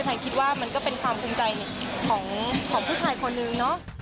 พังคิดว่ามันก็เป็นความพรุ้มใจของผู้ชายคนนึง